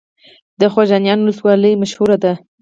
د خوږیاڼیو ولسوالۍ مشهوره ده